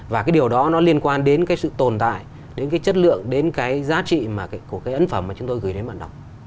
và cái điều đó nó liên quan đến cái sự tồn tại đến cái chất lượng đến cái giá trị của cái ấn phẩm mà chúng tôi gửi đến bạn đọc